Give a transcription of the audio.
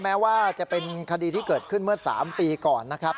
แม้ว่าจะเป็นคดีที่เกิดขึ้นเมื่อ๓ปีก่อนนะครับ